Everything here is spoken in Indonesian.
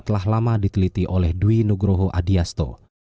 telah lama diteliti oleh dwi nugroho adiasto